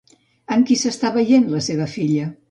Amb qui s'està veient la seva filla?